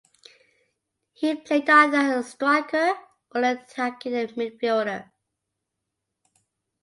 He played either as a striker or an attacking midfielder.